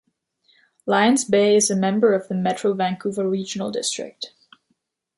Lions Bay is a member of the Metro Vancouver Regional District.